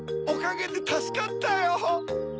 おかげでたすかったよ！